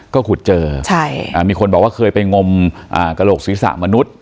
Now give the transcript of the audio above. ก็ขุดเจอใช่อ่ามีคนบอกว่าเคยไปงมอ่ากระโลกศรีษะมนุษย์